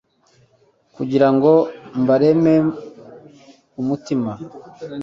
kugira ngo mbareme umutima